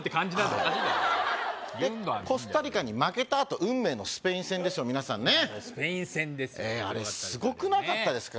おかしいだろコスタリカに負けたあと運命のスペイン戦ですよ皆さんねスペイン戦ですよあれすごくなかったですか？